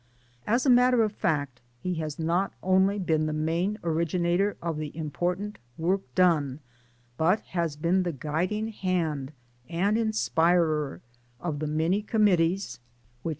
As a matter of fact he has not only been the main originator of the important work done, but has been the guiding hand and inspirer of the many committees which have